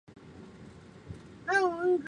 其中许多是由之前的矿井变成了防御阵地。